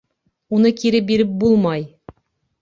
Уны кире биреп булмай!